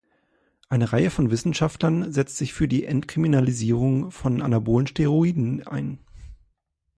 Eine Reihe von Wissenschaftlern setzt sich für die Entkriminalisierung von anabolen Steroiden ein.